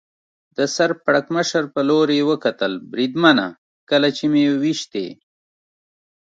د سر پړکمشر په لور یې وکتل، بریدمنه، کله چې مې وېشتی.